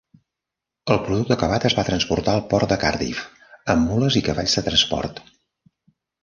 El producte acabat es va transportar al port de Cardiff amb mules i cavalls de transport.